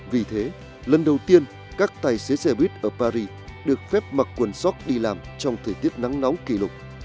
vì thế lần đầu tiên các tài xế xe buýt ở paris được phép mặc quần sóc đi làm trong thời tiết nắng nóng kỷ lục